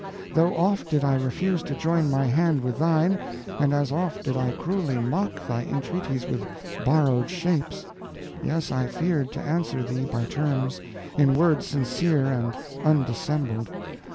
Though oft did I refuse to join my hand with thine, and as oft did I cruelly mock thy entreaties with borrowed shapes: yes, I feared to answer thee by terms, in words sincere and undissembled.